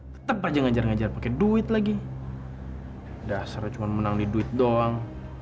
tetep aja ngejar ngejar pakai duit lagi dasarnya cuman menang di duit doang